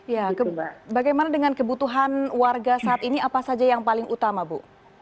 ya bagaimana dengan kebutuhan warga saat ini apa saja yang paling utama bu